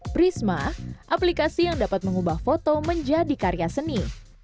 prisma aplikasi yang dapat mengubah foto menjadi karya seni